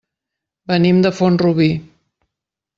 Venim de Font-rubí.